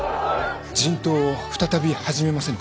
人痘を再び始めませぬか？